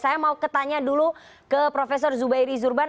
saya mau ketanya dulu ke prof zubairi zurban